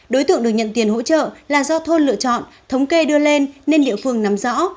đối tượng được nhận tiền hỗ trợ là do thôn lựa chọn thống kê đưa lên nên địa phương nắm rõ